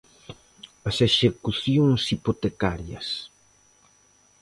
As execucións hipotecarias.